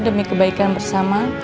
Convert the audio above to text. demi kebaikan bersama